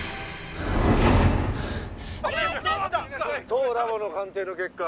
「当ラボの鑑定の結果